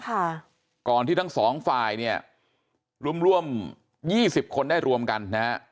ค่ะก่อนที่ทั้งสองฝ่ายเนี่ยรวมร่วมยี่สิบคนได้รวมกันนะฮะ